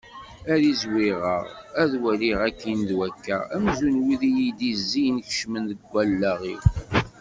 Ad izwiɣeɣ ad ttwaliɣ akkin d wakka amzun wid iyi-d-yezzin kecmen deg wallaɣ-iw.